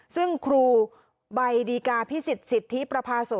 ซึ่งครูใบดีกาพิสิทธสิทธิประพาโส